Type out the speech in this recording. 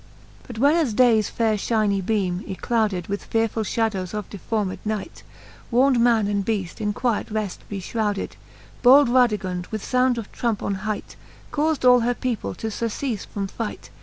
But when as dales faire fliinie beame, yclowded With fearfull fhadowes of deformed night, Warn'd man and beaft in quiet reft be Ihrowded, Bold Radigund with found of trumpe on hight, Caufd all her people to furceale from fight